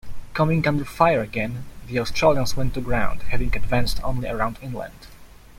Coming under fire again the Australians went to ground, having advanced only around inland.